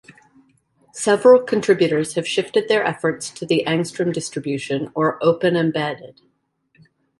Several contributors have shifted their efforts to the Angstrom distribution or OpenEmbedded.